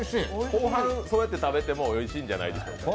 後半、そうやって食べてもおいしいんじゃないでしょうか。